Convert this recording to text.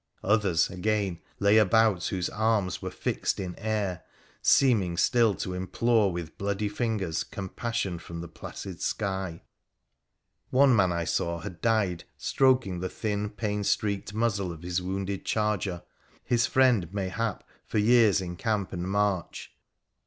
Others, again, lay about whose arms were fixed in air, seeming still to implore with bloody fingers compassion from the placid sky. One man I saw had died stroking the thin, pain streaked muzzle of his wounded charger— his friend, mayhap, for years in camp and march.